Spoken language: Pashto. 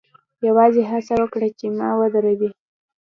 یوازې هڅه وکړه چې ما ودروې